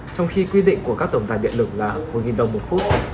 trong khi quy định của các tổng đài điện lực là một mươi đồng một phút